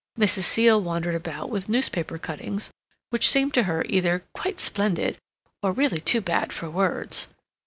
Mrs. Seal wandered about with newspaper cuttings, which seemed to her either "quite splendid" or "really too bad for words."